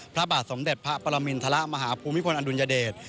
พระบาทสมเด็จพระปรมินทรมาฮภูมิพลอดุลยเดช